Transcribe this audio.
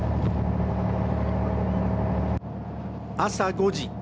朝５時。